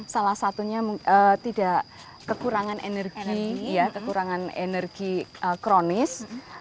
salah satunya tidak kekurangan energi kekurangan energi kronis